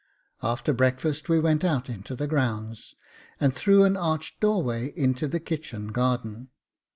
After breakfast we went out into the grounds and through an arched doorway into the kitchen garden.